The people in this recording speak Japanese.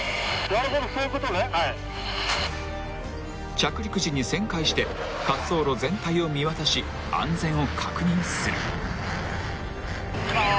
［着陸時に旋回して滑走路全体を見渡し安全を確認する］いきます。